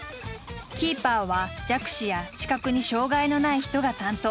キーパーは弱視や視覚に障害のない人が担当。